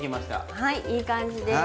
はいいい感じです。